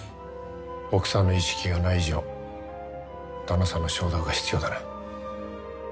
奥さんの意識がない以上旦那さんの承諾が必要だな。